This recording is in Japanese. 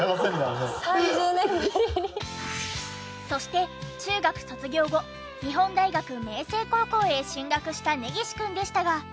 そして中学卒業後日本大学明誠高校へ進学した根岸くんでしたが。